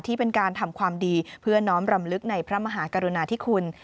ที่เป็นการทำความดีเพื่อน้อมรำลึกในพระมหากรุณาธิคุณ